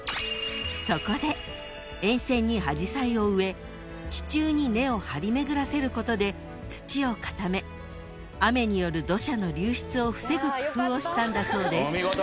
［そこで沿線にアジサイを植え地中に根を張り巡らせることで土を固め雨による土砂の流出を防ぐ工夫をしたんだそうです］